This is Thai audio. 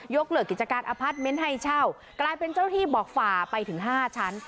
ยกเลิกกิจการอพัดเม้นท์ให้เช่ากลายเป็นเจ้าหน้าที่บอกฝาไปถึงห้าชั้น